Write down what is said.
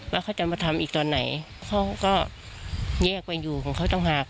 ว่าเขาจะมาทำอีกตอนไหนเขาก็แยกไปอยู่ของเขาต่างหาก